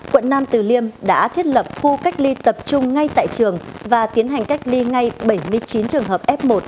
quận nam từ liêm đã thiết lập khu cách ly tập trung ngay tại trường và tiến hành cách ly ngay bảy mươi chín trường hợp f một